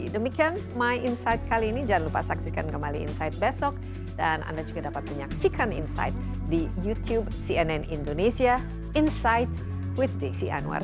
demikian my insight kali ini jangan lupa saksikan kembali insight besok dan anda juga dapat menyaksikan insight di youtube cnn indonesia insight with desi anwar